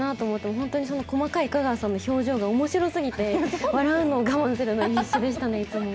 本当に細かい香川さんの表情が面白すぎて笑うのを我慢するのに必死でしたね、いつも。